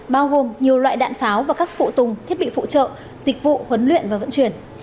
bao gồm nhiều loại đạn pháo và các phụ tùng thiết bị phụ trợ dịch vụ huấn luyện và vận chuyển